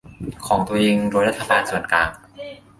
ของตัวเองโดยรัฐบาลส่วนกลาง